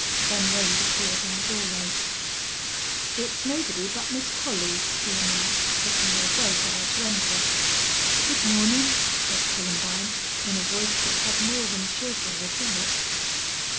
Then Wade appeared in the doorway. "It's nobody but Miss Collie," he announced, as he made way for her to enter. "Good morning!" said Columbine, in a voice that had more than cheerfulness in it.